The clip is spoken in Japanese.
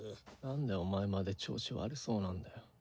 なんでお前まで調子悪そうなんだよ。